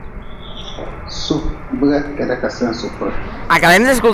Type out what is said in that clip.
Su biga keda ka sen sukure.